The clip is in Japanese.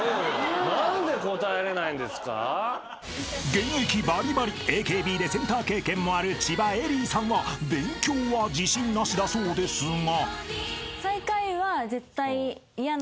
［現役バリバリＡＫＢでセンター経験もある千葉恵里さんは勉強は自信なしだそうですが］